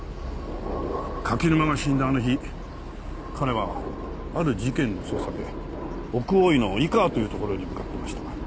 柿沼が死んだあの日彼はある事件の捜査で奥大井の井川という所に向かっていました。